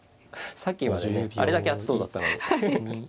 さっきまではねあれだけ暑そうだったのに。